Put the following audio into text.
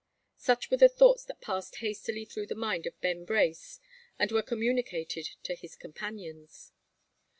Such were the thoughts that passed hastily through the mind of Ben Brace, and were communicated to his companions.